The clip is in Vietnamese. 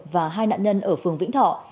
và hai nạn nhân ở phường vĩnh thọ